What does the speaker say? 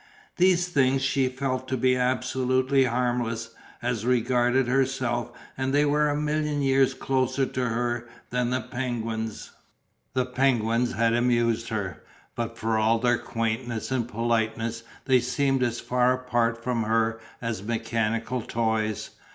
These things she felt to be absolutely harmless, as regarded herself, and they were a million years closer to her than the penguins. The penguins had amused her, but for all their quaintness and politeness they seemed as far apart from her as mechanical toys.